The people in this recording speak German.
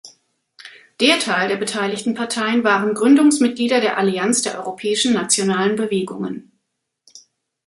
Der Teil der beteiligten Parteien waren Gründungsmitglieder der Allianz der europäischen nationalen Bewegungen.